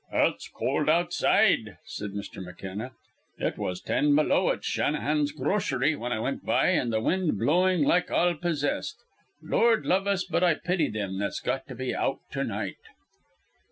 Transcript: "It's cold outside," said Mr. McKenna. "It was ten below at Shannahan's grocery when I went by, and the wind blowing like all possessed. Lord love us, but I pity them that's got to be out to night."